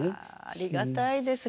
ありがたいです。